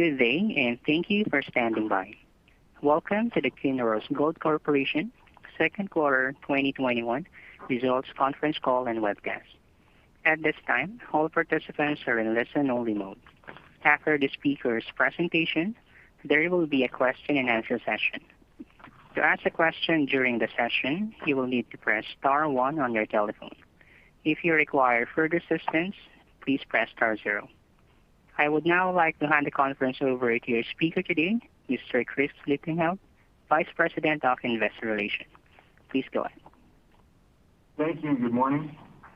Good day. Thank you for standing by. Welcome to the Kinross Gold Corporation Second Quarter 2021 Results Conference Call and Webcast. I would now like to hand the conference over to your speaker today, Mr. Chris Lichtenheldt, Vice President of Investor Relations. Please go ahead. Thank you. Good morning.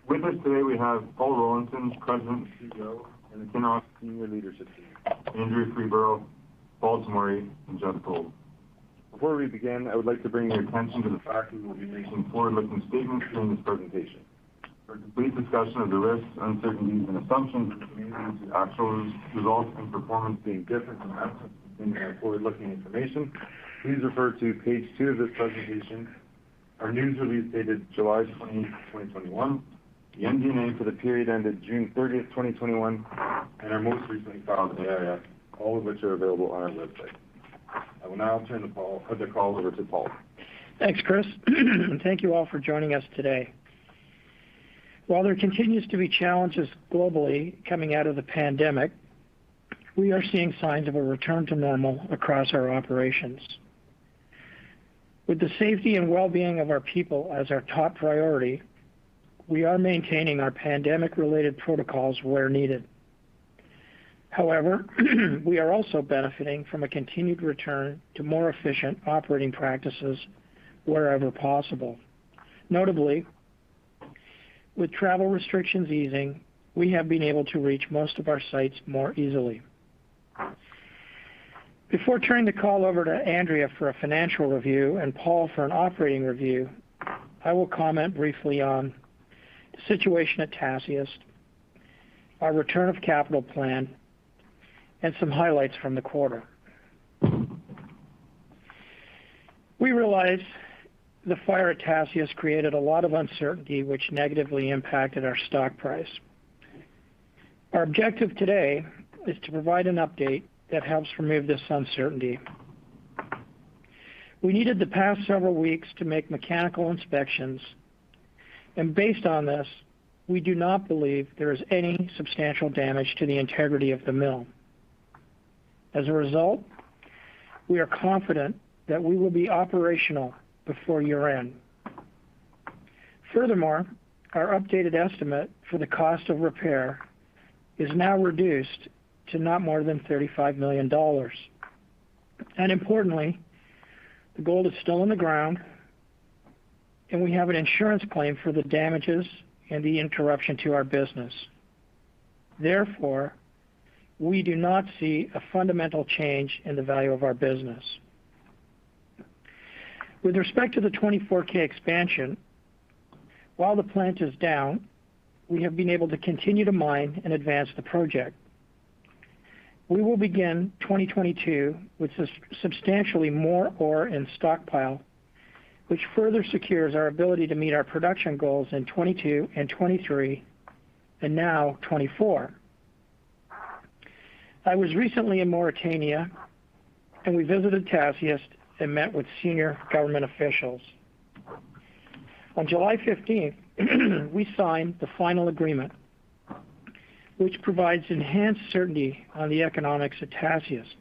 With us today, we have Paul Rollinson, President and CEO, and the Kinross senior leadership team, Andrea Freeborough, Paul Tomory, and Geoff Gold. Before we begin, I would like to bring your attention to the fact that we will be making forward-looking statements during this presentation. For a complete discussion of the risks, uncertainties, and assumptions that may lead to actual results and performance being different from estimates made in our forward-looking information, please refer to page two of this presentation, our news release dated July 20, 2021, the MD&A for the period ended June 30, 2021, and our most recent 10-K, all of which are available on our website. I will now turn the call over to Paul. Thanks, Chris. Thank you all for joining us today. While there continues to be challenges globally coming out of the pandemic, we are seeing signs of a return to normal across our operations. With the safety and wellbeing of our people as our top priority, we are maintaining our pandemic-related protocols where needed. We are also benefiting from a continued return to more efficient operating practices wherever possible. With travel restrictions easing, we have been able to reach most of our sites more easily. Before turning the call over to Andrea for a financial review and Paul for an operating review, I will comment briefly on the situation at Tasiast, our return of capital plan, and some highlights from the quarter. We realize the fire at Tasiast created a lot of uncertainty, which negatively impacted our stock price. Our objective today is to provide an update that helps remove this uncertainty. We needed the past several weeks to make mechanical inspections, and based on this, we do not believe there is any substantial damage to the integrity of the mill. As a result, we are confident that we will be operational before year-end. Furthermore, our updated estimate for the cost of repair is now reduced to not more than $35 million. Importantly, the gold is still in the ground, and we have an insurance claim for the damages and the interruption to our business. Therefore, we do not see a fundamental change in the value of our business. With respect to the 24K expansion, while the plant is down, we have been able to continue to mine and advance the project. We will begin 2022 with substantially more ore in stockpile, which further secures our ability to meet our production goals in 2022 and 2023, and now 2024. I was recently in Mauritania, and we visited Tasiast and met with senior government officials. On July 15th, we signed the final agreement, which provides enhanced certainty on the economics at Tasiast.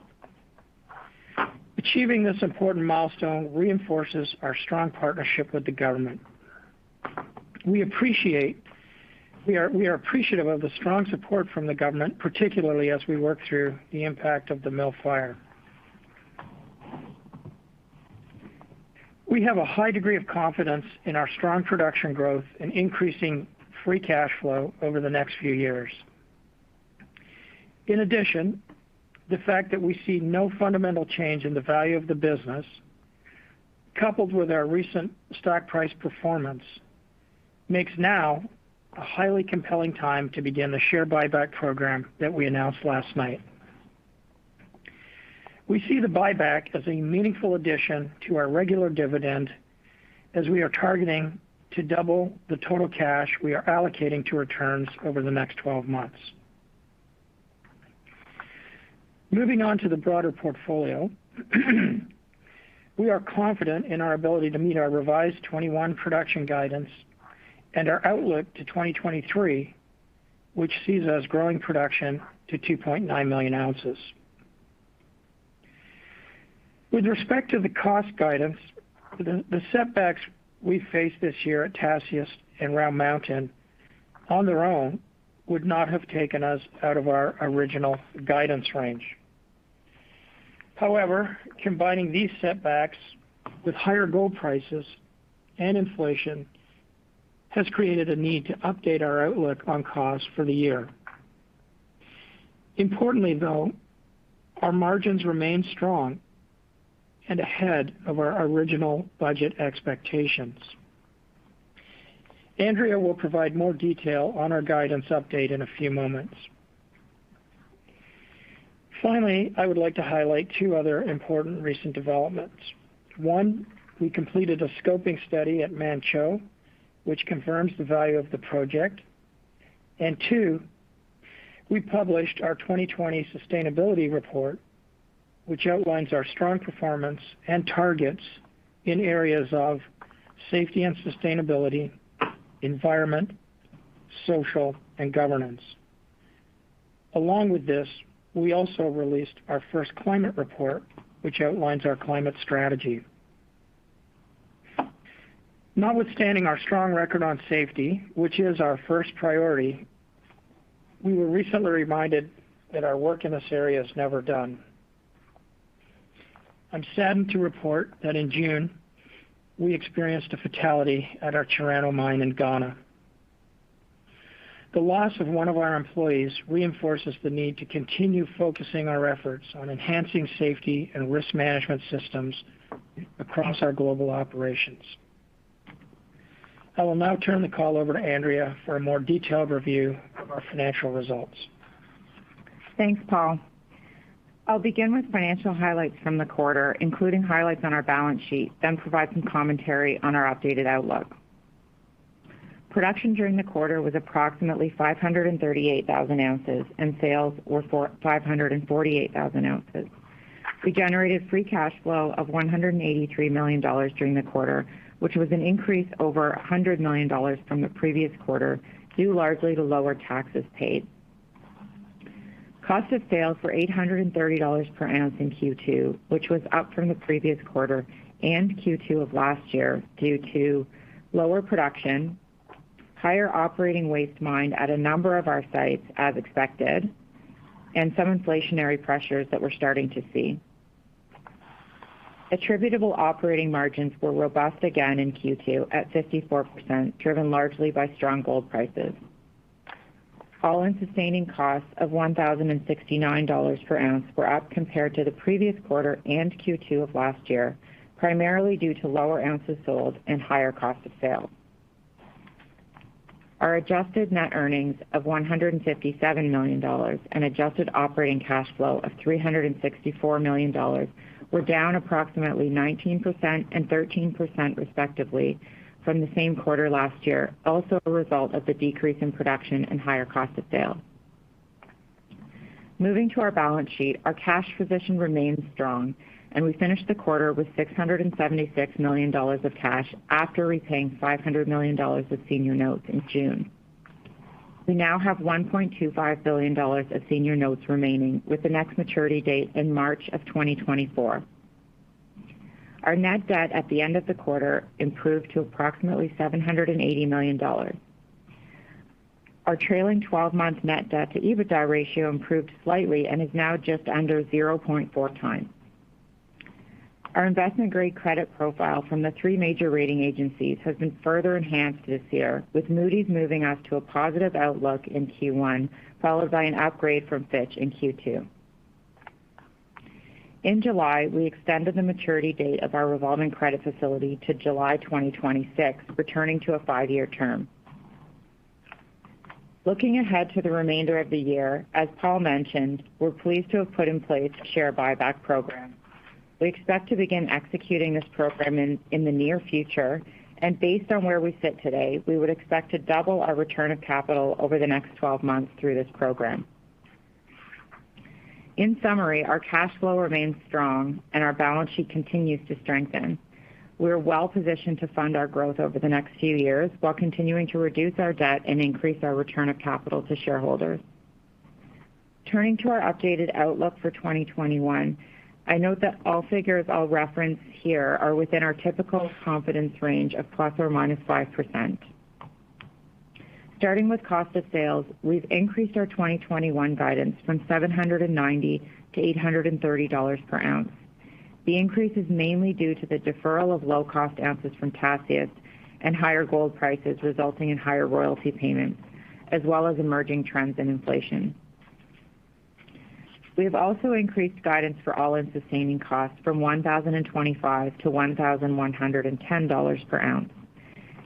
Achieving this important milestone reinforces our strong partnership with the government. We are appreciative of the strong support from the government, particularly as we work through the impact of the mill fire. We have a high degree of confidence in our strong production growth and increasing free cash flow over the next few years. In addition, the fact that we see no fundamental change in the value of the business, coupled with our recent stock price performance, makes now a highly compelling time to begin the share buyback program that we announced last night. We see the buyback as a meaningful addition to our regular dividend as we are targeting to double the total cash we are allocating to returns over the next 12 months. Moving on to the broader portfolio, we are confident in our ability to meet our revised 2021 production guidance and our outlook to 2023, which sees us growing production to 2.9 million ounces. With respect to the cost guidance, the setbacks we faced this year at Tasiast and Round Mountain on their own would not have taken us out of our original guidance range. Combining these setbacks with higher gold prices and inflation has created a need to update our outlook on costs for the year. Importantly, though, our margins remain strong and ahead of our original budget expectations. Andrea will provide more detail on our guidance update in a few moments. I would like to highlight two other important recent developments. One, we completed a scoping study at Manh Choh, which confirms the value of the project. Two, we published our 2020 sustainability report, which outlines our strong performance and targets in areas of safety and sustainability, environment, social, and governance. Along with this, we also released our first climate report, which outlines our climate strategy. Notwithstanding our strong record on safety, which is our first priority, we were recently reminded that our work in this area is never done. I'm saddened to report that in June, we experienced a fatality at our Chirano mine in Ghana. The loss of one of our employees reinforces the need to continue focusing our efforts on enhancing safety and risk management systems across our global operations. I will now turn the call over to Andrea for a more detailed review of our financial results. Thanks, Paul. I'll begin with financial highlights from the quarter, including highlights on our balance sheet, then provide some commentary on our updated outlook. Production during the quarter was approximately 538,000 ounces, and sales were 548,000 ounces. We generated free cash flow of $183 million during the quarter, which was an increase over $100 million from the previous quarter, due largely to lower taxes paid. Cost of sales were $830 per ounce in Q2, which was up from the previous quarter and Q2 of last year due to lower production, higher operating waste mined at a number of our sites as expected, and some inflationary pressures that we're starting to see. Attributable operating margins were robust again in Q2 at 54%, driven largely by strong gold prices. All-in sustaining costs of $1,069 per ounce were up compared to the previous quarter and Q2 of last year, primarily due to lower ounces sold and higher cost of sales. Our adjusted net earnings of $157 million and adjusted operating cash flow of $364 million were down approximately 19% and 13% respectively from the same quarter last year, also a result of the decrease in production and higher cost of sales. Moving to our balance sheet, our cash position remains strong, and we finished the quarter with $676 million of cash after repaying $500 million of senior notes in June. We now have $1.25 billion of senior notes remaining, with the next maturity date in March of 2024. Our net debt at the end of the quarter improved to approximately $780 million. Our trailing 12-month net debt to EBITDA ratio improved slightly and is now just under 0.4x. Our investment-grade credit profile from the three major rating agencies has been further enhanced this year, with Moody's moving us to a positive outlook in Q1, followed by an upgrade from Fitch in Q2. In July, we extended the maturity date of our revolving credit facility to July 2026, returning to a five-year term. Looking ahead to the remainder of the year, as Paul mentioned, we're pleased to have put in place a share buyback program. We expect to begin executing this program in the near future, and based on where we sit today, we would expect to double our return of capital over the next 12 months through this program. In summary, our cash flow remains strong, and our balance sheet continues to strengthen. We're well-positioned to fund our growth over the next few years while continuing to reduce our debt and increase our return of capital to shareholders. Turning to our updated outlook for 2021, I note that all figures I'll reference here are within our typical confidence range of ±5%. Starting with cost of sales, we've increased our 2021 guidance from $790-$830 per ounce. The increase is mainly due to the deferral of low-cost ounces from Tasiast and higher gold prices resulting in higher royalty payments, as well as emerging trends in inflation. We have also increased guidance for all-in sustaining costs from $1,025-$1,110 per ounce.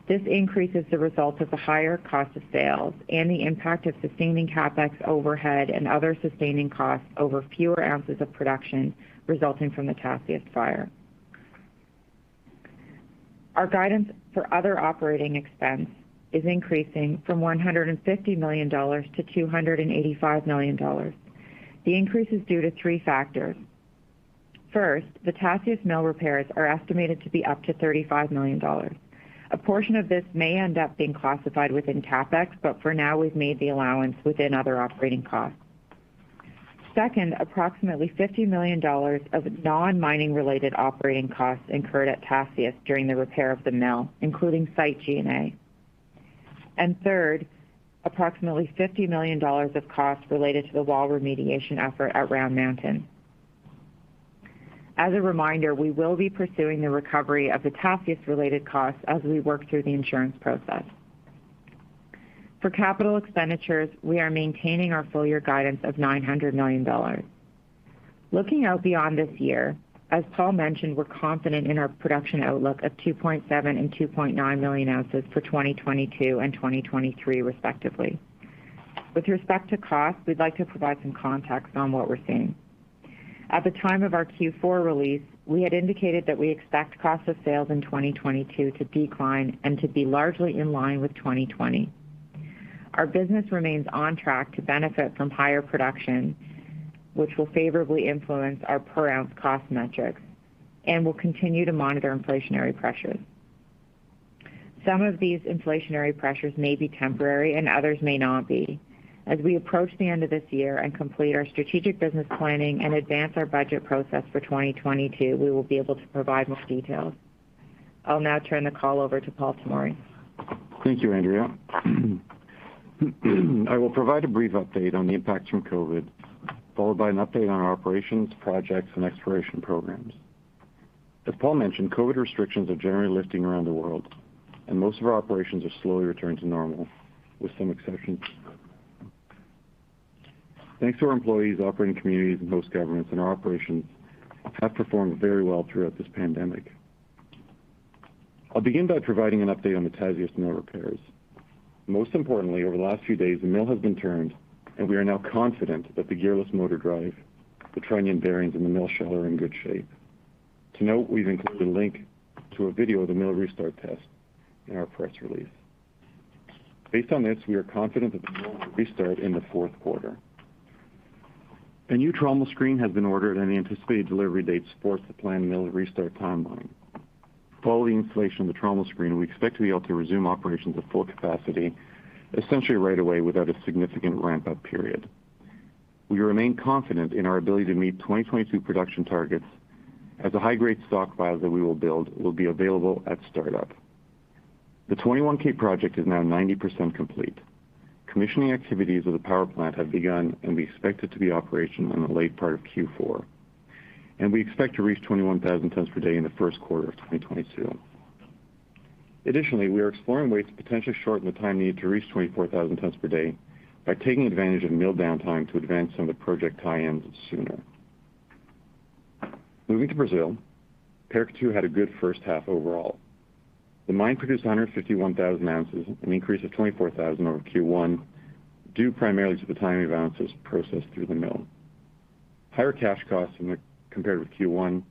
This increase is the result of the higher cost of sales and the impact of sustaining CapEx overhead and other sustaining costs over fewer ounces of production resulting from the Tasiast fire. Our guidance for other operating expense is increasing from $150 million-$285 million. The increase is due to three factors. The Tasiast mill repairs are estimated to be up to $35 million. A portion of this may end up being classified within CapEx, but for now, we've made the allowance within other operating costs. Approximately $50 million of non-mining related operating costs incurred at Tasiast during the repair of the mill, including site G&A. Approximately $50 million of costs related to the wall remediation effort at Round Mountain. As a reminder, we will be pursuing the recovery of the Tasiast-related costs as we work through the insurance process. For capital expenditures, we are maintaining our full-year guidance of $900 million. Looking out beyond this year, as Paul mentioned, we're confident in our production outlook of 2.7 and 2.9 million ounces for 2022 and 2023 respectively. With respect to cost, we'd like to provide some context on what we're seeing. At the time of our Q4 release, we had indicated that we expect cost of sales in 2022 to decline and to be largely in line with 2020. Our business remains on track to benefit from higher production, which will favorably influence our per ounce cost metrics, and we'll continue to monitor inflationary pressures. Some of these inflationary pressures may be temporary, and others may not be. As we approach the end of this year and complete our strategic business planning and advance our budget process for 2022, we will be able to provide more details. I'll now turn the call over to Paul Tomory. Thank you, Andrea. I will provide a brief update on the impacts from COVID, followed by an update on our operations, projects, and exploration programs. As Paul mentioned, COVID restrictions are generally lifting around the world, and most of our operations are slowly returning to normal, with some exceptions. Thanks to our employees, operating communities, and host governments, and our operations have performed very well throughout this pandemic. I'll begin by providing an update on the Tasiast mill repairs. Most importantly, over the last few days, the mill has been turned, and we are now confident that the gearless motor drive, the trunnion bearings, and the mill shell are in good shape. To note, we've included a link to a video of the mill restart test in our press release. Based on this, we are confident that the mill will restart in the fourth quarter. A new trommel screen has been ordered, and the anticipated delivery dates support the planned mill restart timeline. Following installation of the trommel screen, we expect to be able to resume operations at full capacity essentially right away without a significant ramp-up period. We remain confident in our ability to meet 2022 production targets as the high-grade stockpiles that we will build will be available at startup. The 21K project is now 90% complete. Commissioning activities of the power plant have begun, and we expect it to be operational in the late part of Q4, and we expect to reach 21,000 tons per day in the first quarter of 2022. Additionally, we are exploring ways to potentially shorten the time needed to reach 24,000 tons per day by taking advantage of mill downtime to advance some of the project tie-ins sooner. Moving to Brazil, Paracatu had a good first half overall. The mine produced 151,000 ounces, an increase of 24,000 ounces over Q1, due primarily to the timing of ounces processed through the mill. Higher cash costs compared with Q1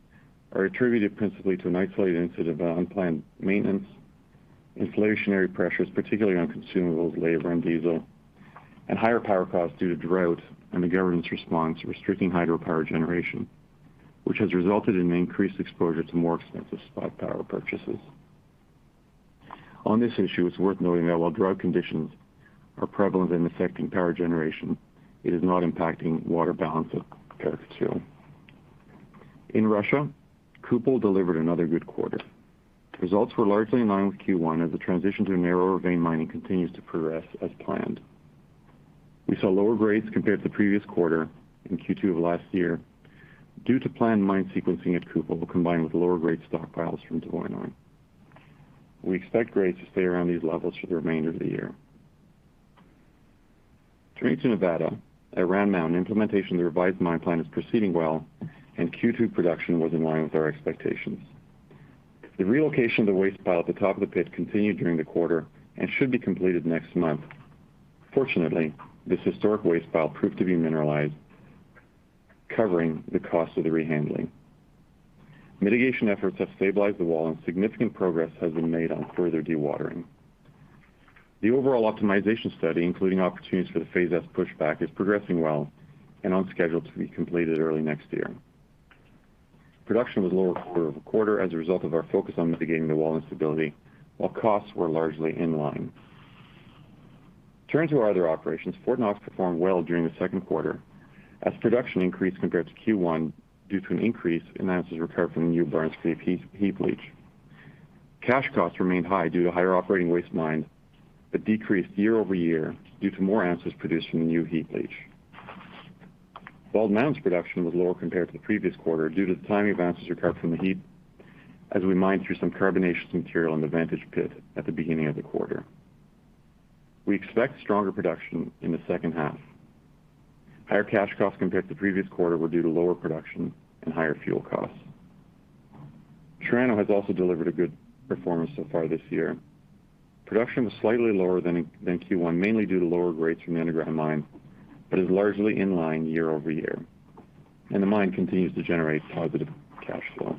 are attributed principally to an isolated incident of unplanned maintenance, inflationary pressures, particularly on consumables, labor, and diesel, and higher power costs due to drought and the government's response restricting hydropower generation, which has resulted in increased exposure to more expensive spot power purchases. On this issue, it's worth noting that while drought conditions are prevalent and affecting power generation, it is not impacting water balance at Paracatu. In Russia, Kupol delivered another good quarter. Results were largely in line with Q1 as the transition to narrow vein mining continues to progress as planned. We saw lower grades compared to the previous quarter in Q2 of last year due to planned mine sequencing at Kupol, combined with lower-grade stockpiles from Dvoinoe. We expect grades to stay around these levels for the remainder of the year. Turning to Nevada, at Round Mountain, implementation of the revised mine plan is proceeding well, and Q2 production was in line with our expectations. The relocation of the waste pile at the top of the pit continued during the quarter and should be completed next month. Fortunately, this historic waste pile proved to be mineralized, covering the cost of the rehandling. Mitigation efforts have stabilized the wall, and significant progress has been made on further dewatering. The overall optimization study, including opportunities for the Phase S pushback, is progressing well and on schedule to be completed early next year. Production was lower quarter-over-quarter as a result of our focus on mitigating the wall instability, while costs were largely in line. Turning to our other operations, Fort Knox performed well during the second quarter as production increased compared to Q1 due to an increase in ounces recovered from the new Barnes Creek heap leach. Cash costs remained high due to higher operating waste mined, but decreased year-over-year due to more ounces produced from the new heap leach. Bald Mountain's production was lower compared to the previous quarter due to the timing of ounces recovered from the heap as we mined through some carbonaceous material in the Vantage pit at the beginning of the quarter. We expect stronger production in the second half. Higher cash costs compared to the previous quarter were due to lower production and higher fuel costs. Chirano has also delivered a good performance so far this year. Production was slightly lower than in Q1, mainly due to lower grades from the underground mine, but is largely in line year-over-year, and the mine continues to generate positive cash flow.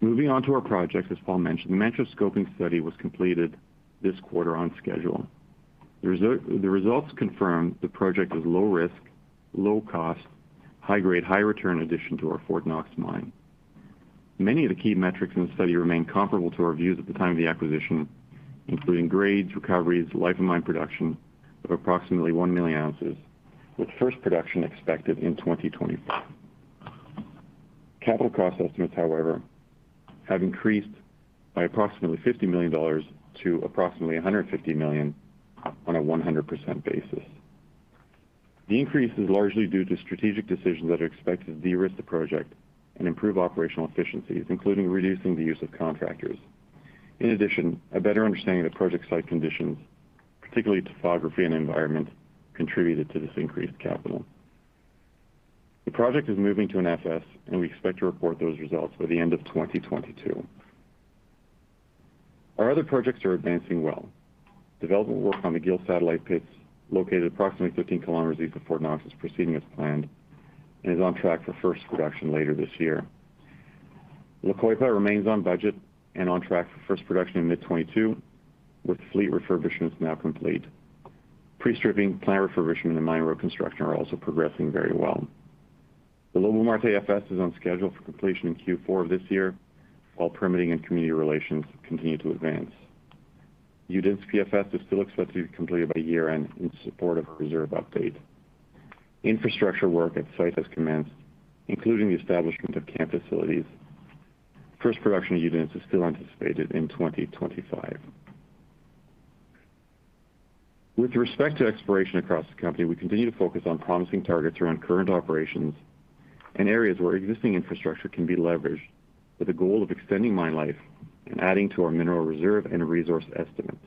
Moving on to our projects, as Paul mentioned, the Manh Choh scoping study was completed this quarter on schedule. The results confirm the project is low risk, low cost, high grade, high return addition to our Fort Knox mine. Many of the key metrics in the study remain comparable to our views at the time of the acquisition, including grades, recoveries, life of mine production of approximately 1 million ounces, with first production expected in 2024. Capital cost estimates, however, have increased by approximately $50 million to approximately $150 million on a 100% basis. The increase is largely due to strategic decisions that are expected to de-risk the project and improve operational efficiencies, including reducing the use of contractors. In addition, a better understanding of the project site conditions, particularly topography and environment, contributed to this increased capital. The project is moving to an FS, and we expect to report those results by the end of 2022. Our other projects are advancing well. Development work on the Gil satellite pits, located approximately 15 km east of Fort Knox, is proceeding as planned, and is on track for first production later this year. La Coipa remains on budget and on track for first production in mid 2022, with fleet refurbishments now complete. Pre-stripping, plant refurbishment, and mine road construction are also progressing very well. The Lobo-Marte FS is on schedule for completion in Q4 of this year, while permitting and community relations continue to advance. Udinsk PFS is still expected to be completed by year-end in support of a reserve update. Infrastructure work at site has commenced, including the establishment of camp facilities. First production at Udinsk is still anticipated in 2025. With respect to exploration across the company, we continue to focus on promising targets around current operations and areas where existing infrastructure can be leveraged with the goal of extending mine life and adding to our mineral reserve and resource estimates.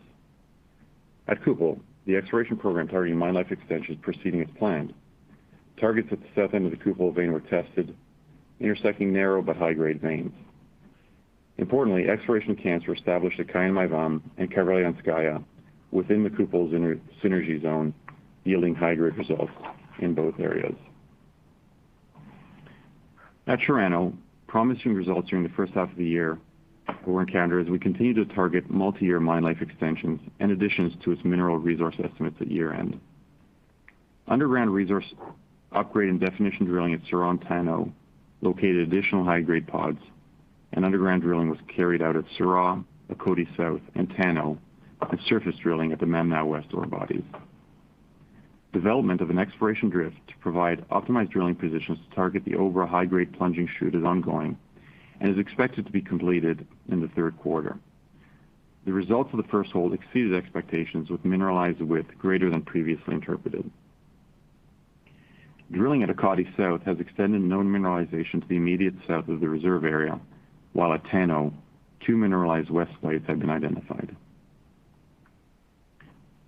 At Kupol, the exploration program targeting mine life extension is proceeding as planned. Targets at the south end of the Kupol vein were tested, intersecting narrow but high-grade veins. Importantly, exploration camps were established at Kayenmyvaam and Kavralyanskaya within the Kupol's synergy zone, yielding high-grade results in both areas. At Chirano, promising results during the first half of the year were encountered as we continue to target multi-year mine life extensions and additions to its mineral resource estimates at year-end. Underground resource upgrade and definition drilling at Sariehu located additional high-grade pods, and underground drilling was carried out at Sariehu, Akoti South, and Tano, and surface drilling at the Mamnao West ore bodies. Development of an exploration drift to provide optimized drilling positions to target the overall high-grade plunging shoot is ongoing, and is expected to be completed in the third quarter. The results of the first hole exceeded expectations with mineralized width greater than previously interpreted. Drilling at Akoti South has extended known mineralization to the immediate south of the reserve area, while at Tano, two mineralized west plates have been identified.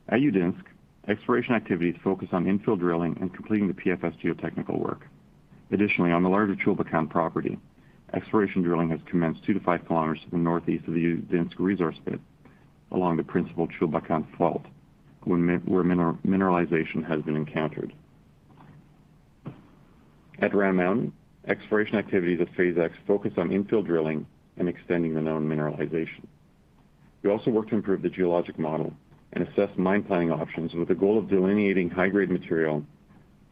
At Udinsk, exploration activities focus on infill drilling and completing the PFS geotechnical work. On the larger Chulbatkan property, exploration drilling has commenced 2 km to 5 km to the northeast of the Udinsk resource pit along the principal Chulbatkan fault, where mineralization has been encountered. At Round Mountain, exploration activities at Phase X focus on infill drilling and extending the known mineralization. We also work to improve the geologic model and assess mine planning options with the goal of delineating high-grade material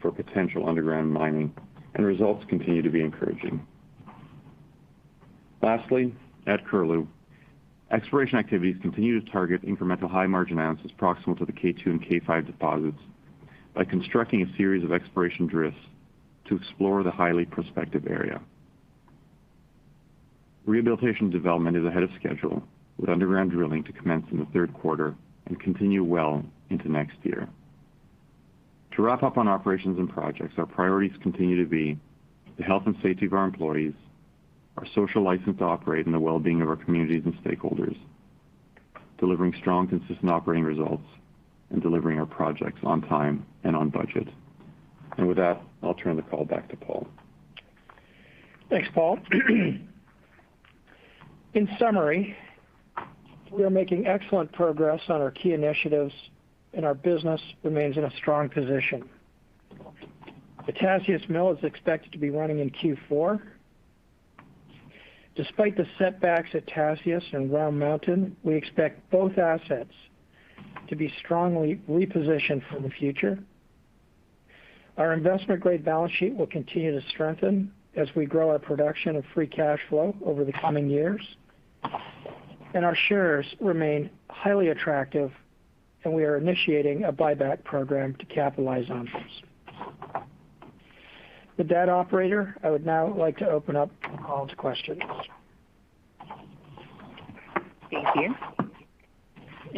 for potential underground mining, and results continue to be encouraging. At Curlew, exploration activities continue to target incremental high-margin ounces proximal to the K2 and K5 deposits by constructing a series of exploration drifts to explore the highly prospective area. Rehabilitation development is ahead of schedule with underground drilling to commence in the third quarter and continue well into next year. To wrap up on operations and projects, our priorities continue to be the health and safety of our employees, our social license to operate, and the well-being of our communities and stakeholders, delivering strong, consistent operating results and delivering our projects on time and on budget. With that, I'll turn the call back to Paul. Thanks, Paul. In summary, we are making excellent progress on our key initiatives and our business remains in a strong position. The Tasiast mill is expected to be running in Q4. Despite the setbacks at Tasiast and Round Mountain, we expect both assets to be strongly repositioned for the future. Our investment-grade balance sheet will continue to strengthen as we grow our production of free cash flow over the coming years. Our shares remain highly attractive, and we are initiating a buyback program to capitalize on this. With that, operator, I would now like to open up the call to questions. Thank you.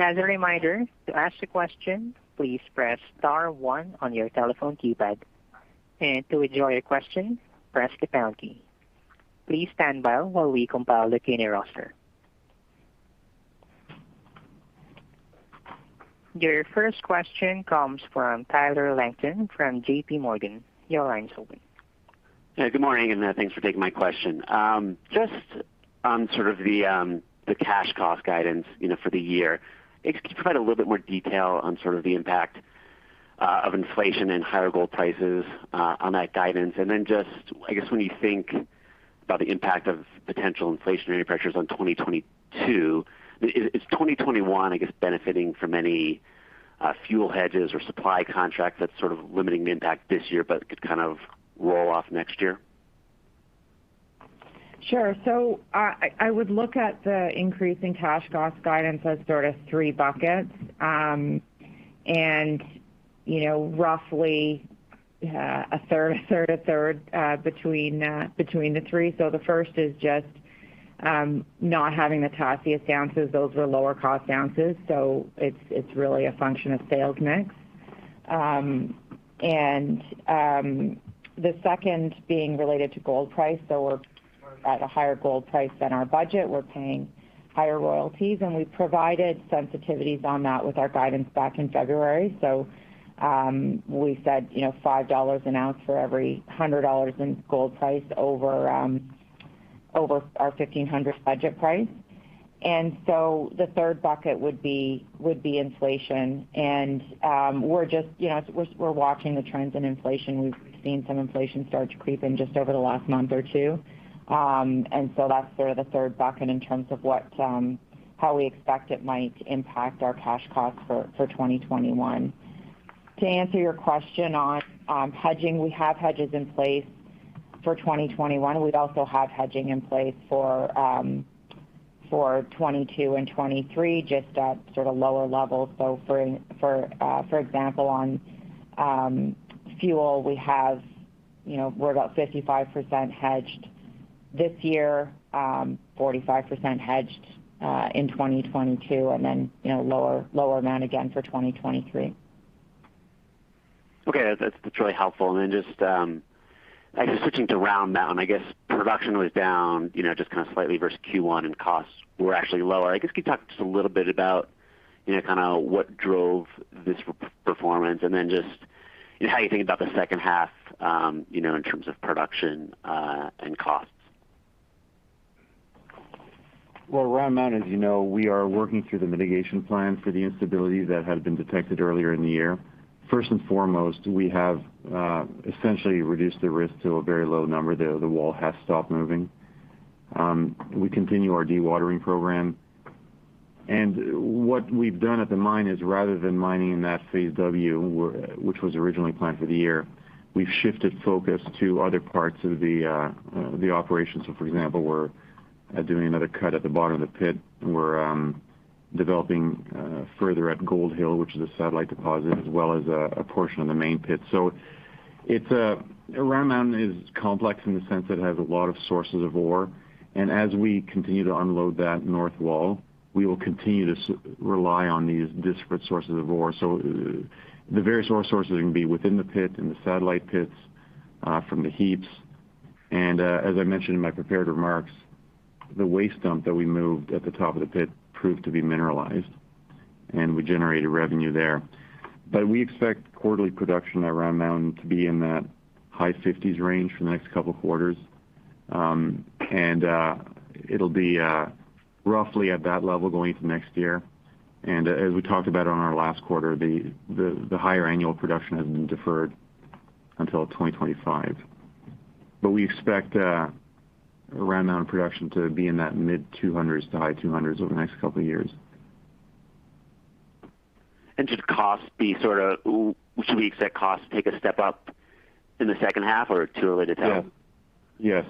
As a reminder, to ask a question, please press star one on your telephone keypad. And to withdraw your question, press the pound key. Please stand by while we compile the Q&A roster. Your first question comes from Tyler Langton from JPMorgan. Your line's open. Good morning, thanks for taking my question. Just on sort of the cash cost guidance for the year, can you provide a little bit more detail on sort of the impact of inflation and higher gold prices on that guidance? Then just, I guess, when you think about the impact of potential inflationary pressures on 2022, is 2021 benefiting from any fuel hedges or supply contracts that's sort of limiting the impact this year but could kind of roll off next year? Sure. I would look at the increase in cash cost guidance as sort of three buckets. Roughly a third between the three. The first is just not having the Tasiast ounces. Those were lower cost ounces. It's really a function of sales mix. The second being related to gold price. We're at a higher gold price than our budget. We're paying higher royalties, and we provided sensitivities on that with our guidance back in February. We said $5 an ounce for every $100 in gold price over our $1,500 budget price. The third bucket would be inflation. We're watching the trends in inflation. We've seen some inflation start to creep in just over the last month or two. That's sort of the third bucket in terms of how we expect it might impact our cash costs for 2021. To answer your question on hedging, we have hedges in place for 2021. We also have hedging in place for 2022 and 2023, just at sort of lower levels. For example, on fuel, we're about 55% hedged this year, 45% hedged in 2022, and then lower amount again for 2023. Okay. That's really helpful. Just actually switching to Round Mountain, I guess production was down just kind of slightly versus Q1, and costs were actually lower. I guess could you talk just a little bit about what drove this performance, and then just how you think about the second half, in terms of production, and costs? Well, Round Mountain, as you know, we are working through the mitigation plan for the instability that had been detected earlier in the year. First and foremost, we have essentially reduced the risk to a very low number. The wall has stopped moving. We continue our dewatering program. What we've done at the mine is rather than mining in that Phase W, which was originally planned for the year, we've shifted focus to other parts of the operation. For example, we're doing another cut at the bottom of the pit. We're developing further at Gold Hill, which is a satellite deposit, as well as a portion of the main pit. Round Mountain is complex in the sense that it has a lot of sources of ore. As we continue to unload that north wall, we will continue to rely on these disparate sources of ore. The various ore sources are going to be within the pit, in the satellite pits, from the heaps. As I mentioned in my prepared remarks, the waste dump that we moved at the top of the pit proved to be mineralized, and we generated revenue there. We expect quarterly production at Round Mountain to be in that high 50s range for the next couple of quarters. It'll be roughly at that level going into next year. As we talked about on our last quarter, the higher annual production has been deferred until 2025. We expect Round Mountain production to be in that mid 200s to high 200s over the next couple of years. Should we expect costs to take a step up in the second half or too early to tell? Yes.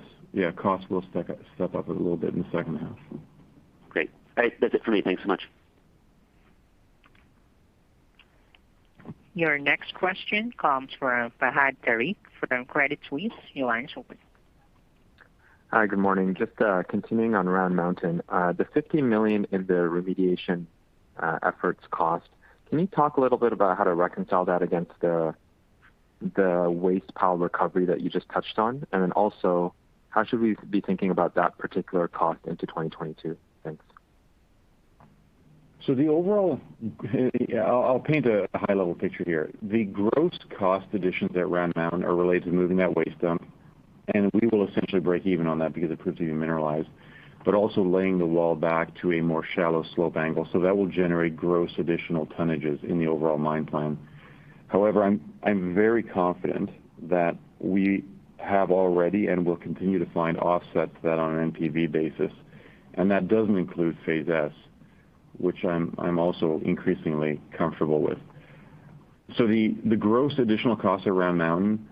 Costs will step up a little bit in the second half. Great. That's it for me. Thanks so much. Your next question comes from Fahad Tariq from Credit Suisse. Your line is open. Hi, good morning. Just continuing on Round Mountain. The $50 million in the remediation efforts cost, can you talk a little bit about how to reconcile that against the waste pile recovery that you just touched on? Then also, how should we be thinking about that particular cost into 2022? Thanks. The overall, I'll paint a high level picture here. The gross cost additions at Round Mountain are related to moving that waste dump, and we will essentially break even on that because it proves to be mineralized, but also laying the wall back to a more shallow slope angle. That will generate gross additional tonnages in the overall mine plan. However, I'm very confident that we have already, and will continue to find offsets to that on an NPV basis. That doesn't include Phase S, which I'm also increasingly comfortable with. The gross additional costs at Round Mountain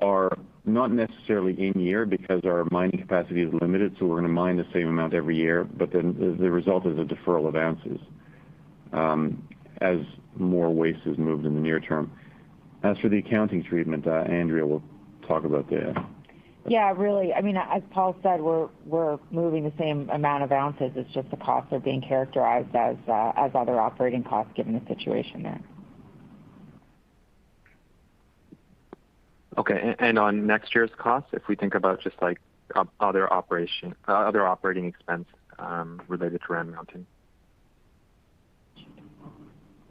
are not necessarily in year because our mining capacity is limited, so we're going to mine the same amount every year, but then the result is a deferral of ounces as more waste is moved in the near term. As for the accounting treatment, Andrea will talk about that. Yeah. Really, as Paul said, we're moving the same amount of ounces. It's just the costs are being characterized as other operating costs given the situation there. Okay. On next year's cost, if we think about just other OpEx related to Round Mountain.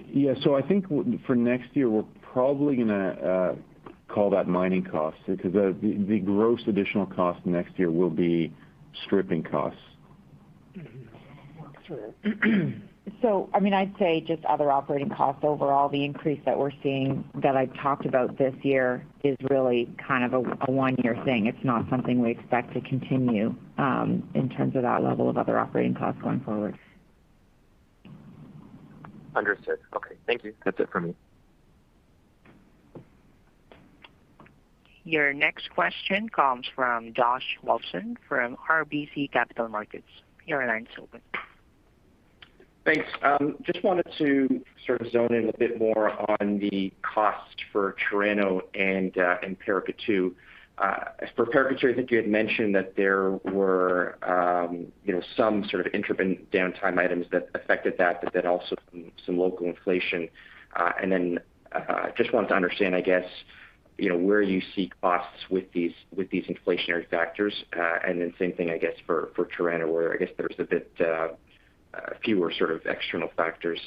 Yeah. I think for next year, we're probably going to call that mining cost, because the gross additional cost next year will be stripping costs. Sure. I'd say just other operating costs overall, the increase that we're seeing that I've talked about this year is really kind of a one-year thing. It's not something we expect to continue, in terms of that level of other operating costs going forward. Understood. Okay. Thank you. That's it from me. Your next question comes from Josh Wolfson from RBC Capital Markets. Your line is open. Thanks. Just wanted to sort of zone in a bit more on the cost for Chirano and Paracatu. For Paracatu, I think you had mentioned that there were some sort of intervention downtime items that affected that, but then also some local inflation. Just wanted to understand, I guess, where you see costs with these inflationary factors. Same thing, I guess, for Chirano, where I guess there's a bit fewer sort of external factors.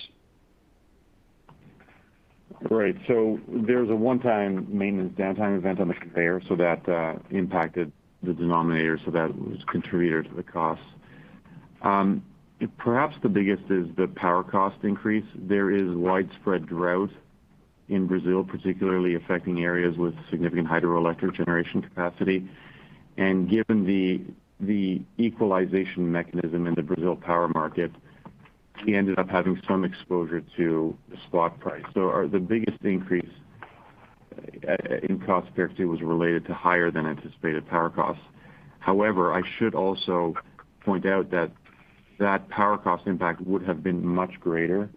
Right. There's a one-time maintenance downtime event on the conveyor. That impacted the denominator, so that was a contributor to the cost. Perhaps the biggest is the power cost increase. There is widespread drought in Brazil, particularly affecting areas with significant hydroelectric generation capacity. Given the equalization mechanism in the Brazil power market, we ended up having some exposure to the spot price. The biggest increase in cost, Q2, was related to higher than anticipated power costs. However, I should also point out that that power cost impact would have been much greater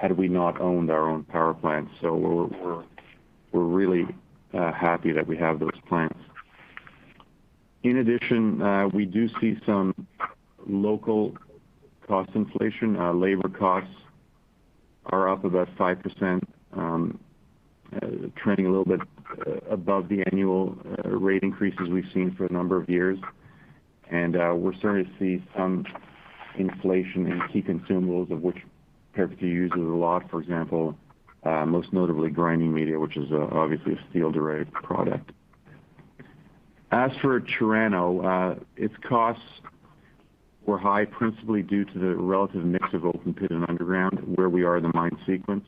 had we not owned our own power plant. We're really happy that we have those plants. In addition, we do see some local cost inflation. Labor costs are up about 5%, trending a little bit above the annual rate increases we've seen for a number of years. We're starting to see some inflation in key consumables of which Paracatu uses a lot. For example, most notably grinding media, which is obviously a steel-derived product. As for Chirano, its costs were high principally due to the relative mix of open pit and underground, where we are in the mine sequence.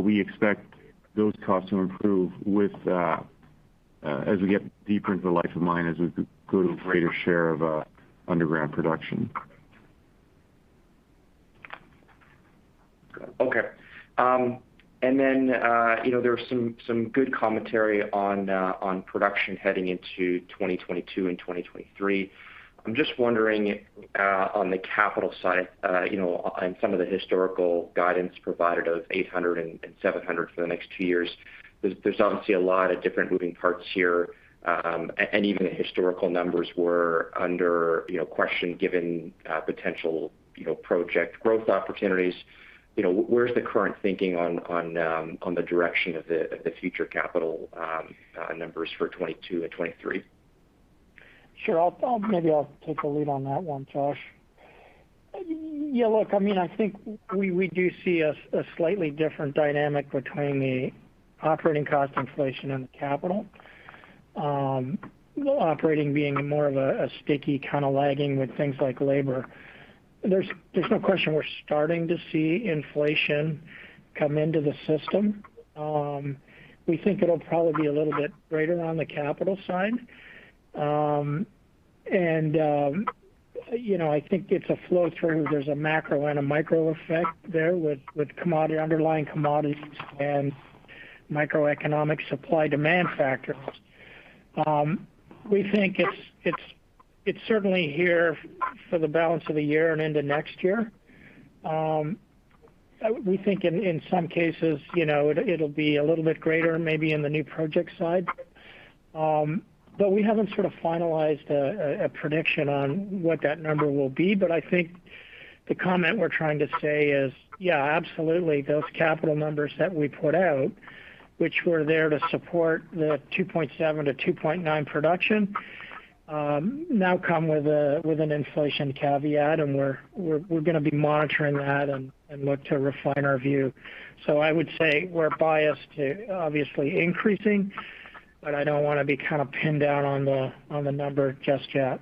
We expect those costs to improve as we get deeper into the life of mine, as we go to a greater share of underground production. Okay. There was some good commentary on production heading into 2022 and 2023. I'm just wondering, on the capital side, on some of the historical guidance provided of $800 and $700 for the next two years, there's obviously a lot of different moving parts here, and even the historical numbers were under question given potential project growth opportunities. Where's the current thinking on the direction of the future capital numbers for 2022 and 2023? Sure. Maybe I'll take the lead on that one, Josh. Look, I think we do see a slightly different dynamic between the operating cost inflation and the capital, operating being more of a sticky, kind of lagging with things like labor. There's no question we're starting to see inflation come into the system. We think it'll probably be a little bit greater on the capital side. I think it's a flow through. There's a macro and a micro effect there with underlying commodities and microeconomic supply-demand factors. We think it's certainly here for the balance of the year and into next year. We think in some cases, it'll be a little bit greater maybe in the new project side. We haven't finalized a prediction on what that number will be. I think the comment we're trying to say is, absolutely, those capital numbers that we put out, which were there to support the 2.7 to 2.9 million ounces production, now come with an inflation caveat, and we're going to be monitoring that and look to refine our view. I would say we're biased to obviously increasing, but I don't want to be kind of pinned down on the number just yet.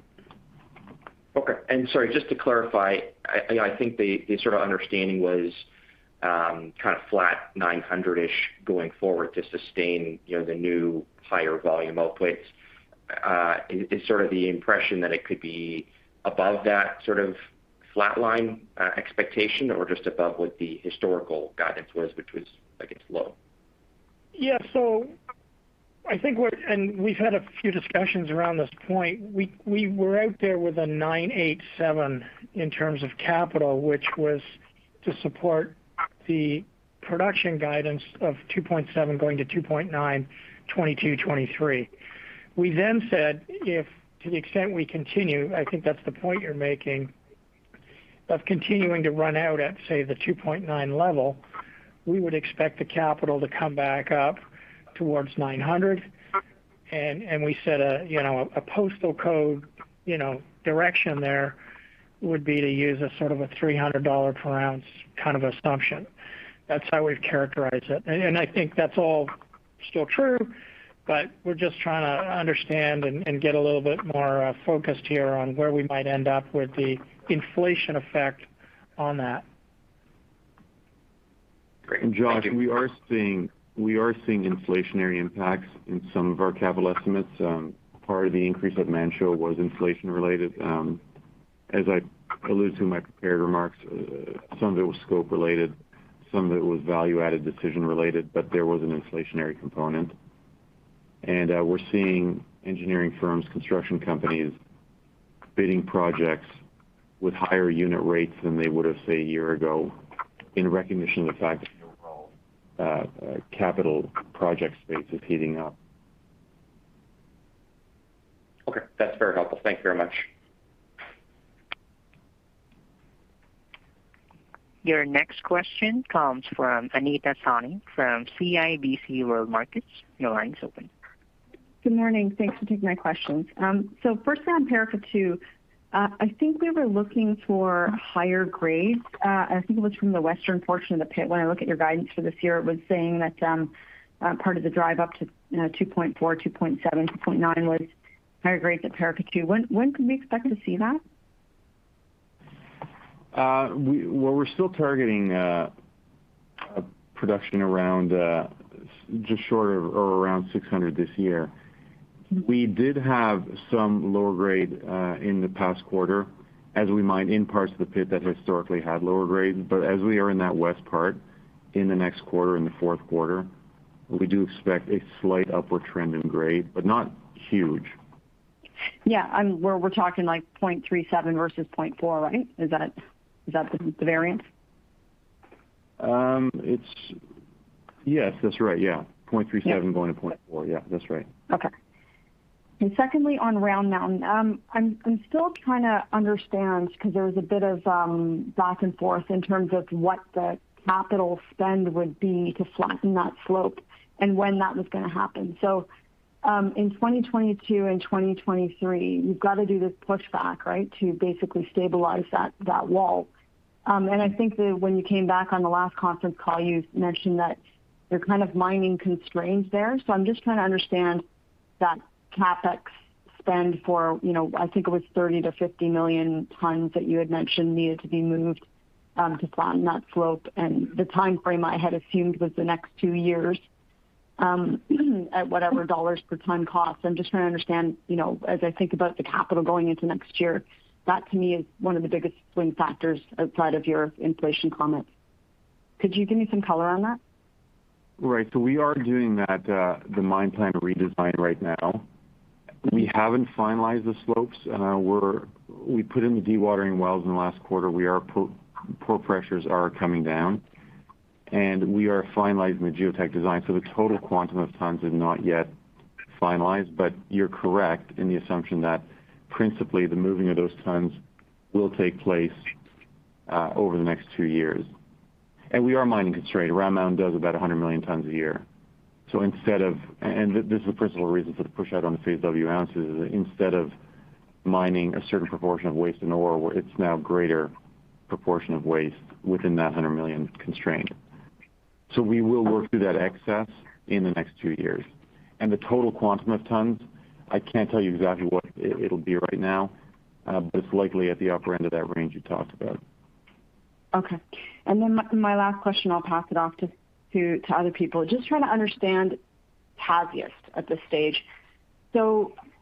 Okay. Sorry, just to clarify, I think the sort of understanding was kind of flat 900-ish going forward to sustain the new higher volume outputs. Is sort of the impression that it could be above that sort of flatline expectation or just above what the historical guidance was, which was I guess low? Yeah. We've had a few discussions around this point. We were out there with a $987 in terms of capital, which was to support the production guidance of 2.7 million ounces going to 2.9 million ounces, 2022, 2023. We said, if to the extent we continue, I think that's the point you're making, of continuing to run out at, say, the 2.9 million ounces level, we would expect the capital to come back up towards $900. We set a postal code direction there, would be to use a sort of a $300 per ounce kind of assumption. That's how we've characterized it. I think that's all still true, but we're just trying to understand and get a little bit more focused here on where we might end up with the inflation effect on that. Great. Thank you. Josh, we are seeing inflationary impacts in some of our capital estimates. Part of the increase at Mansa was inflation related. As I allude to in my prepared remarks, some of it was scope related, some of it was value-added decision related, but there was an inflationary component. We're seeing engineering firms, construction companies bidding projects with higher unit rates than they would've, say, a year ago, in recognition of the fact that the overall capital project space is heating up. Okay. That's very helpful. Thank you very much. Your next question comes from Anita Soni from CIBC World Markets. Your line is open. Good morning. Thanks for taking my questions. Firstly on Paracatu, I think we were looking for higher grades. I think it was from the western portion of the pit. When I look at your guidance for this year, it was saying that part of the drive up to 2.4, 2.7, 2.9 million ounces was higher grades at Paracatu. When can we expect to see that? We're still targeting a production around just short of or around 600 this year. We did have some lower grade in the past quarter as we mined in parts of the pit that historically had lower grades. As we are in that west part, in the next quarter, in the 4th quarter, we do expect a slight upward trend in grade, but not huge. Yeah. We're talking like 0.37 versus 0.4, right? Is that the variance? Yes. That's right, yeah. 0.37 going to 0.4. Yeah, that's right. Okay. Secondly, on Round Mountain. I'm still trying to understand because there was a bit of back and forth in terms of what the capital spend would be to flatten that slope and when that was going to happen. In 2022 and 2023, you've got to do this pushback, right, to basically stabilize that wall. I think that when you came back on the last conference call, you mentioned that you're kind of mining constrained there. I'm just trying to understand that CapEx spend for, I think it was 30 million-50 million tons that you had mentioned needed to be moved to flatten that slope. The timeframe I had assumed was the next two years, at whatever dollars per ton cost. I'm just trying to understand, as I think about the capital going into next year, that to me is one of the biggest swing factors outside of your inflation comments. Could you give me some color on that? Right. We are doing the mine plan redesign right now. We haven't finalized the slopes. We put in the dewatering wells in the last quarter. Pore pressures are coming down. We are finalizing the geotech design. The total quantum of tons is not yet finalized. You're correct in the assumption that principally the moving of those tons will take place over the next two years. We are mining constrained. Round Mountain does about 100 million tons a year. This is the principal reason for the push out on the Phase W ounces is that instead of mining a certain proportion of waste and ore, it's now greater proportion of waste within that 100 million constraint. We will work through that excess in the next two years. The total quantum of tons, I can't tell you exactly what it'll be right now, but it's likely at the upper end of that range you talked about. Okay. My last question, I'll pass it off to other people. Just trying to understand Tasiast at this stage.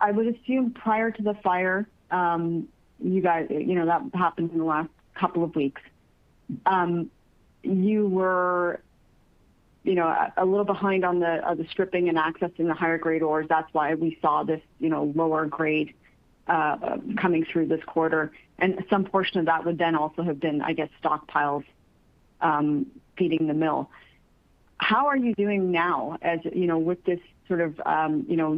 I would assume prior to the fire, that happened in the last couple of weeks, you were a little behind on the stripping and accessing the higher grade ores. That's why we saw this lower grade coming through this quarter. Some portion of that would then also have been, I guess, stockpiled, feeding the mill. How are you doing now with this sort of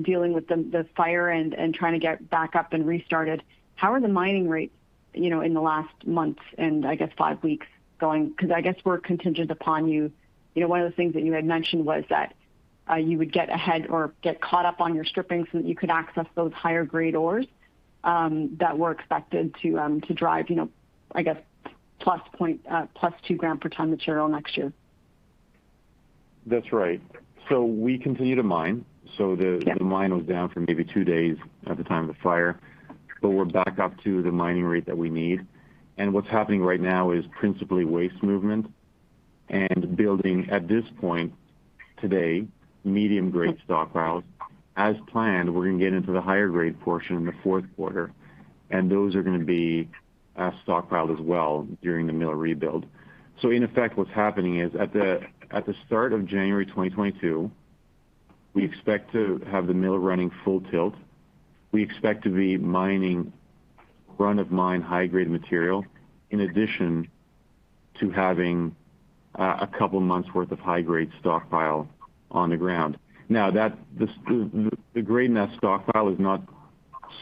dealing with the fire and trying to get back up and restarted? How are the mining rates in the last month and I guess five weeks going? I guess we're contingent upon you. One of the things that you had mentioned was that you would get ahead or get caught up on your stripping so that you could access those higher grade ores, that were expected to drive, I guess, +2 g/ton material next year. That's right. We continue to mine. The mine was down for maybe two days at the time of the fire, but we're back up to the mining rate that we need. What's happening right now is principally waste movement and building, at this point today, medium grade stockpiles. As planned, we're going to get into the higher grade portion in the fourth quarter, and those are going to be stockpiled as well during the mill rebuild. In effect, what's happening is at the start of January 2022, we expect to have the mill running full tilt. We expect to be mining run of mine high grade material, in addition to having a couple of months' worth of high grade stockpile on the ground. The grade in that stockpile is not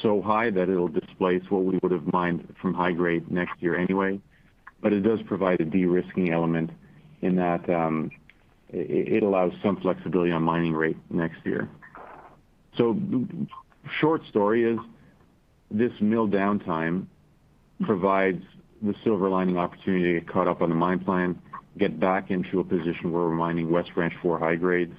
so high that it'll displace what we would've mined from high grade next year anyway. It does provide a de-risking element in that it allows some flexibility on mining rate next year. Short story is this mill downtime provides the silver lining opportunity to get caught up on the mine plan, get back into a position where we're mining West Branch four high grades,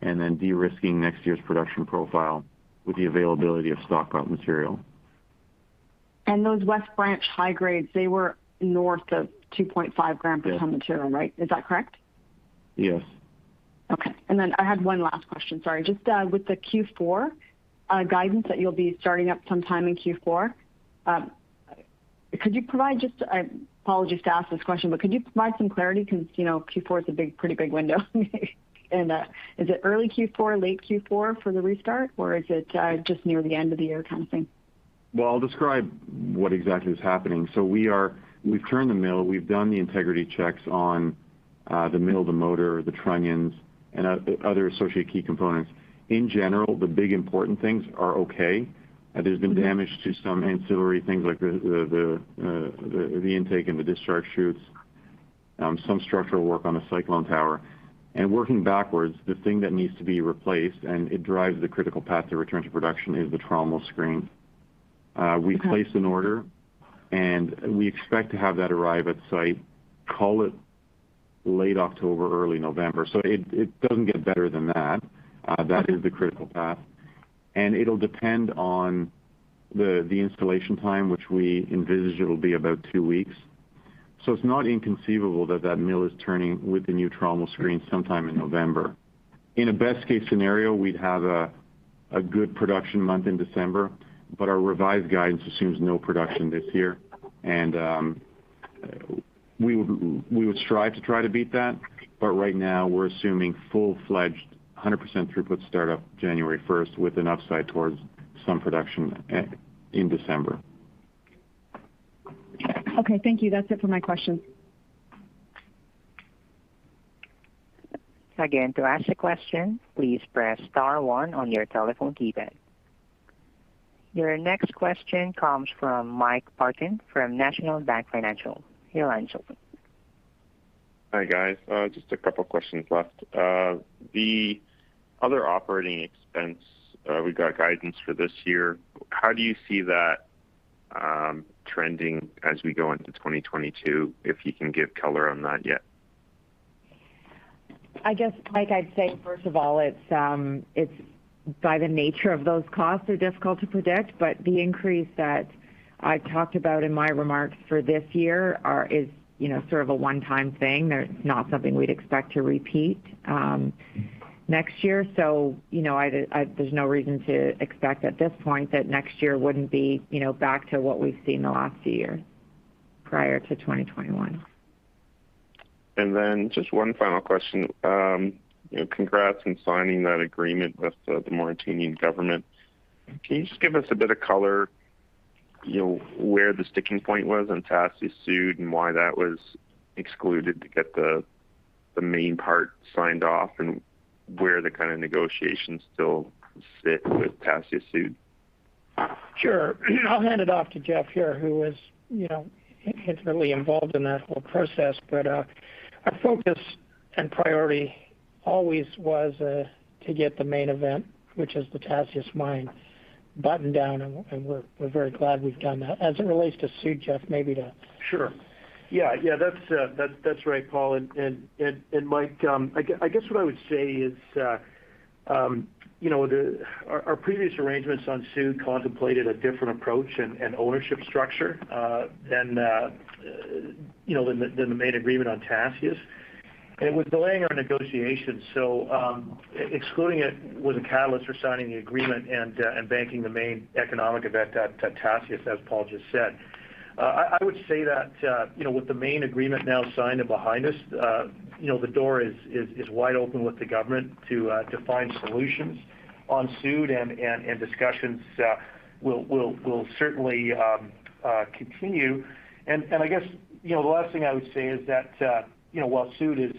and then de-risking next year's production profile with the availability of stockpile material. Those West Branch high grades, they were north of 2.5 g/ton material, right? Is that correct? Yes. Okay. I had one last question, sorry. Just with the Q4 guidance that you'll be starting up sometime in Q4. Apologies to ask this question, but could you provide some clarity because Q4 is a pretty big window and is it early Q4, late Q4 for the restart, or is it just near the end of the year kind of thing? Well, I'll describe what exactly is happening. We've turned the mill. We've done the integrity checks on the mill, the motor, the trunnions, and other associated key components. In general, the big important things are okay. There's been damage to some ancillary things like the intake and the discharge chutes. Some structural work on the cyclone tower. Working backwards, the thing that needs to be replaced, and it drives the critical path to return to production, is the trommel screen. Okay. We placed an order, we expect to have that arrive at site, call it late October, early November. It doesn't get better than that. That is the critical path. It'll depend on the installation time, which we envisage it'll be about two weeks. It's not inconceivable that that mill is turning with the new trommel screen sometime in November. In a best case scenario, we'd have a good production month in December, but our revised guidance assumes no production this year. We would strive to try to beat that. Right now, we're assuming full-fledged, 100% throughput start up January 1st with an upside towards some production in December. Okay, thank you. That's it for my questions. Your next question comes from Mike Parkin from National Bank Financial. Your line's open. Hi, guys. Just a couple questions left. The other operating expense, we got guidance for this year. How do you see that trending as we go into 2022, if you can give color on that yet? I guess, Mike, I'd say, first of all, it's by the nature of those costs are difficult to predict. The increase that I talked about in my remarks for this year is sort of a one-time thing. They're not something we'd expect to repeat next year. There's no reason to expect at this point that next year wouldn't be back to what we've seen the last year prior to 2021. Just one final question. Congrats in signing that agreement with the Mauritanian government. Can you just give us a bit of color, where the sticking point was on Tasiast Sud and why that was excluded to get the main part signed off, and where the kind of negotiations still sit with Tasiast Sud? Sure. I'll hand it off to Geoff here, who was intimately involved in that whole process. Our focus and priority always was to get the main event, which is the Tasiast mine, buttoned down, and we're very glad we've done that. As it relates to Sud, Geoff. Sure. Yeah, that's right, Paul and Mike. I guess what I would say is, our previous arrangements on Sud contemplated a different approach and ownership structure than the main agreement on Tasiast. It was delaying our negotiations, so excluding it was a catalyst for signing the agreement and banking the main economic event at Tasiast, as Paul just said. I would say that with the main agreement now signed and behind us, the door is wide open with the government to find solutions on Sud, and discussions will certainly continue. I guess, the last thing I would say is that while Sud is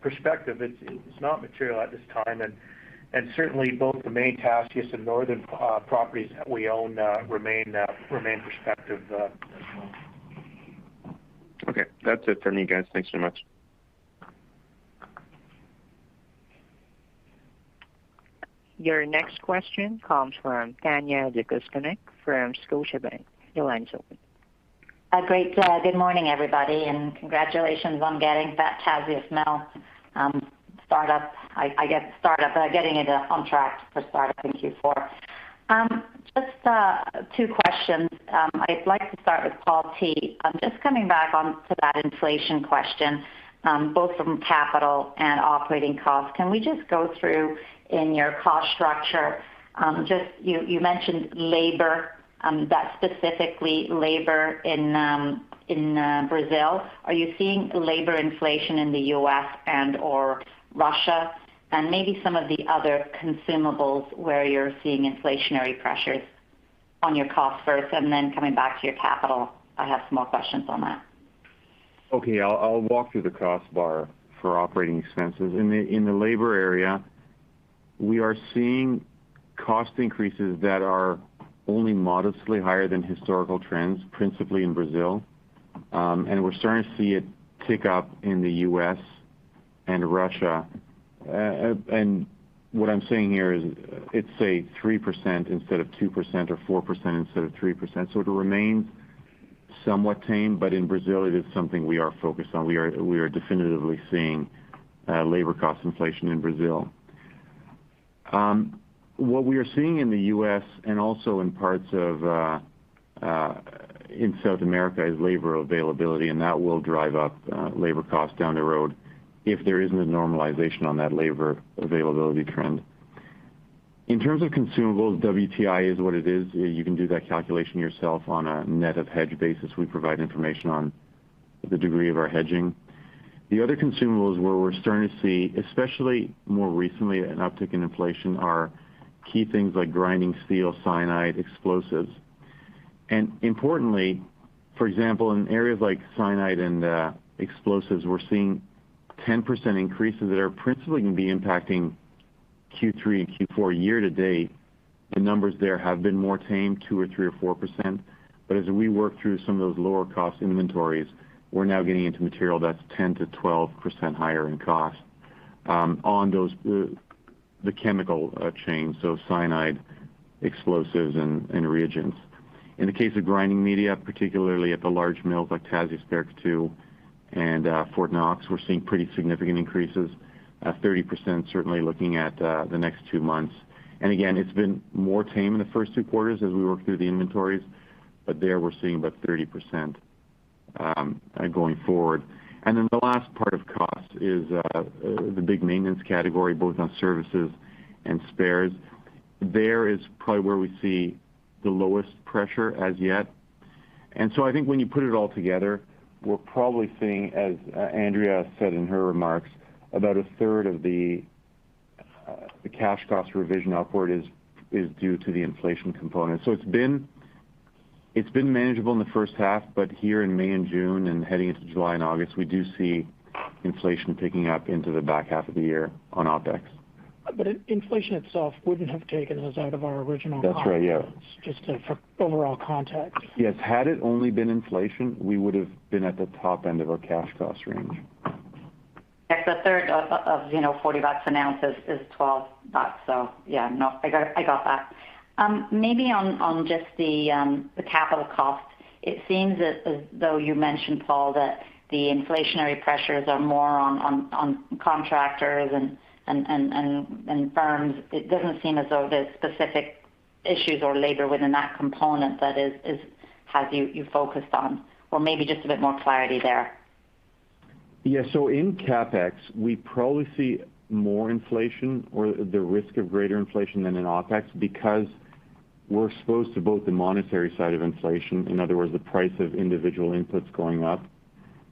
prospective, it's not material at this time. Certainly both the main Tasiast and Northern properties that we own remain prospective as well. Okay. That's it from me, guys. Thanks so much. Your next question comes from Tanya Jakusconek from Scotiabank. Your line's open. Great. Good morning, everybody. Congratulations on getting that Tasiast mill startup, I guess, getting it on track for startup in Q4. Just two questions. I'd like to start with Paul T. Just coming back onto that inflation question, both from capital and operating costs, can we just go through in your cost structure, you mentioned labor, that specifically labor in Brazil. Are you seeing labor inflation in the U.S. and/or Russia, maybe some of the other consumables where you're seeing inflationary pressures on your costs first, then coming back to your capital, I have some more questions on that. Okay. I'll walk through the cost bar for operating expenses. In the labor area, we are seeing cost increases that are only modestly higher than historical trends, principally in Brazil. We're starting to see it tick up in the U.S. and Russia. What I'm saying here is it's, say, 3% instead of 2%, or 4% instead of 3%. It remains somewhat tame, but in Brazil, it is something we are focused on. We are definitively seeing labor cost inflation in Brazil. What we are seeing in the U.S. and also in parts of South America is labor availability, and that will drive up labor costs down the road if there isn't a normalization on that labor availability trend. In terms of consumables, WTI is what it is. You can do that calculation yourself on a net of hedge basis. We provide information on the degree of our hedging. The other consumables where we're starting to see, especially more recently, an uptick in inflation are key things like grinding steel, cyanide, explosives. Importantly, for example, in areas like cyanide and explosives, we're seeing 10% increases that are principally going to be impacting Q3 and Q4 year to date, the numbers there have been more tame, 2% or 3% or 4%. As we work through some of those lower cost inventories, we're now getting into material that's 10% to 12% higher in cost on the chemical chain, so cyanide, explosives, and reagents. In the case of grinding media, particularly at the large mills like Tasiast, Paracatu, and Fort Knox, we're seeing pretty significant increases of 30%, certainly looking at the next two months. Again, it's been more tame in the first two quarters as we work through the inventories, but there we're seeing about 30% going forward. Then the last part of cost is the big maintenance category, both on services and spares. There is probably where we see the lowest pressure as yet. So I think when you put it all together, we're probably seeing, as Andrea said in her remarks, about a 1/3 of the cash cost revision upward is due to the inflation component. It's been manageable in the first half, but here in May and June and heading into July and August, we do see inflation picking up into the back half of the year on OpEx. Inflation itself wouldn't have taken us out of our original guidance. That's right, yeah. Just for overall context. Yes. Had it only been inflation, we would've been at the top end of our cash cost range. Yes. A third of $40 an ounce is $12. Yeah, no, I got that. Maybe on just the capital cost, it seems as though you mentioned, Paul, that the inflationary pressures are more on contractors and firms. It doesn't seem as though there's specific issues or labor within that component that you focused on, or maybe just a bit more clarity there. Yeah. In CapEx, we probably see more inflation or the risk of greater inflation than in OpEx because we're exposed to both the monetary side of inflation, in other words, the price of individual inputs going up,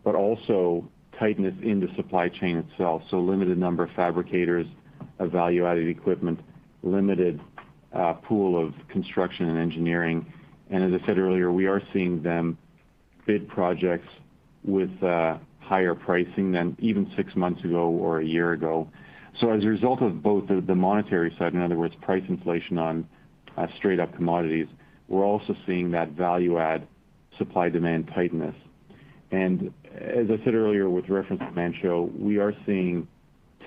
but also tightness in the supply chain itself. Limited number of fabricators of value-added equipment, limited pool of construction and engineering. As I said earlier, we are seeing them bid projects with higher pricing than even six months ago or one year ago. As a result of both the monetary side, in other words, price inflation on straight up commodities, we're also seeing that value add supply demand tightness. As I said earlier, with reference to Manh Choh, we are seeing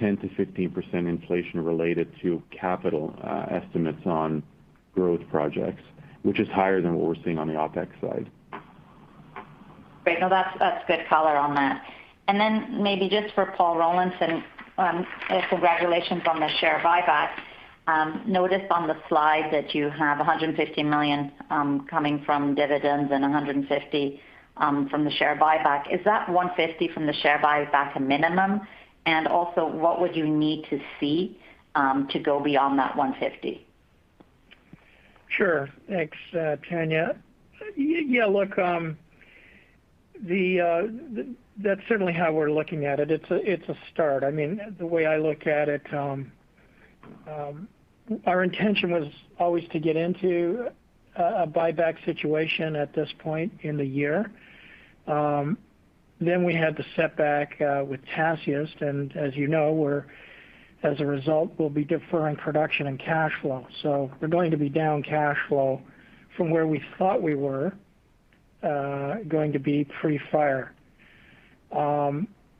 10%-15% inflation related to capital estimates on growth projects, which is higher than what we're seeing on the OpEx side. Great. No, that's good color on that. Maybe just for Paul Rollinson, and congratulations on the share buyback. Notice on the slide that you have $150 million coming from dividends and $150 from the share buyback. Is that $150 from the share buyback a minimum? Also, what would you need to see to go beyond that $150? Sure. Thanks, Tanya. That's certainly how we're looking at it. It's a start. The way I look at it, our intention was always to get into a buyback situation at this point in the year. We had the setback with Tasiast, and as you know, as a result, we'll be deferring production and cash flow. We're going to be down cash flow from where we thought we were going to be pre-fire.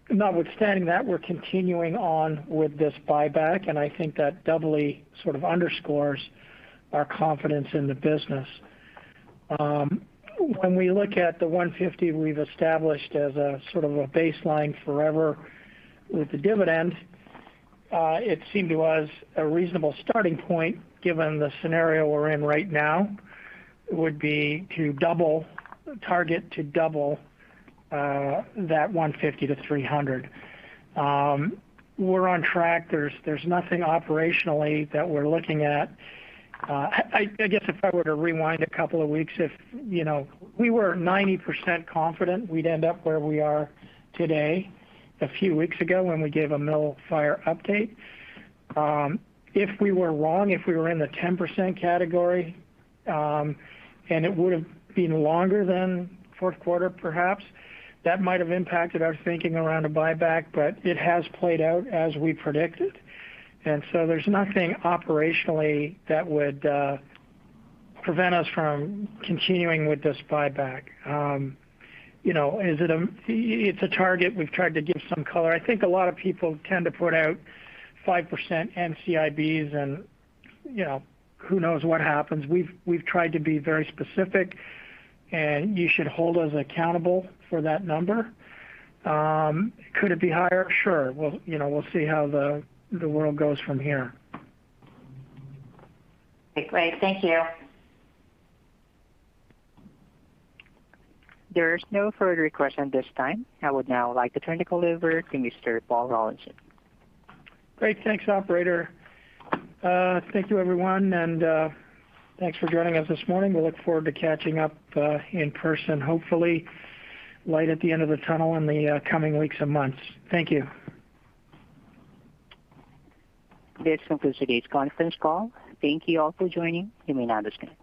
Notwithstanding that, we're continuing on with this buyback, and I think that doubly sort of underscores our confidence in the business. When we look at the $150 we've established as a sort of a baseline forever with the dividend, it seemed to us a reasonable starting point, given the scenario we're in right now, would be to target to double that $150-$300. We're on track. There's nothing operationally that we're looking at. I guess if I were to rewind a couple of weeks, we were 90% confident we'd end up where we are today a few weeks ago when we gave a mill fire update. If we were wrong, if we were in the 10% category, and it would've been longer than fourth quarter perhaps, that might have impacted our thinking around a buyback, but it has played out as we predicted. There's nothing operationally that would prevent us from continuing with this buyback. It's a target. We've tried to give some color. I think a lot of people tend to put out 5% NCIBs and who knows what happens. We've tried to be very specific, and you should hold us accountable for that number. Could it be higher? Sure. We'll see how the world goes from here. Okay, great. Thank you. There is no further questions at this time. I would now like to turn the call over to Mr. Paul Rollinson. Great. Thanks, operator. Thank you everyone. Thanks for joining us this morning. We look forward to catching up in person, hopefully light at the end of the tunnel in the coming weeks and months. Thank you. This concludes today's conference call. Thank you all for joining. You may now disconnect.